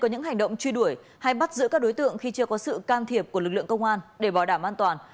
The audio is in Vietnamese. hãy bắt giữ các đối tượng khi chưa có sự can thiệp của lực lượng công an để bỏ đảm an toàn